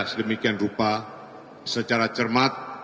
sedemikian rupa secara cermat